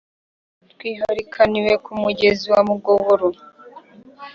Twiharikaniwe ku mugezi wa Mugoboro.